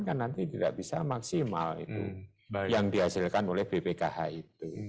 kan nanti tidak bisa maksimal itu yang dihasilkan oleh bpkh itu